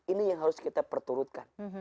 ini yang harus kita perturutkan